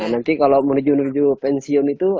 nanti kalau menuju menuju pensiun itu